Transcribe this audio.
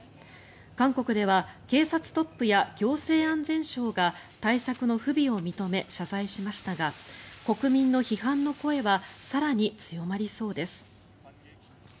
韓国では警察トップや行政安全省が対策の不備を認め謝罪しましたが国民の批判の声は更に強まりそうです。